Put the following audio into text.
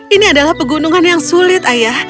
ini adalah pegunungan yang sulit ayah